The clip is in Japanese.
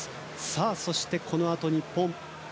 さあ、そしてこのあと日本。